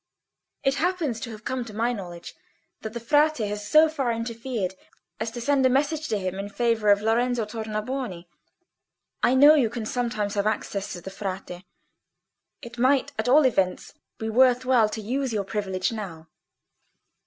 It happens to have come to my knowledge that the Frate has so far interfered as to send a message to him in favour of Lorenzo Tornabuoni. I know you can sometimes have access to the Frate: it might at all events be worth while to use your privilege now."